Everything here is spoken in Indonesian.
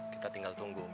kita tinggal tunggu